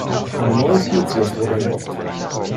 Eine neue Spezies wurde entdeckt.